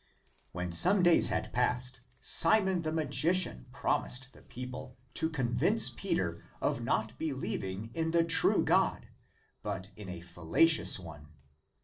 When some days had passed Simon the Magician promised the people to convince Peter of not believing in the true God, but in a fallacious one.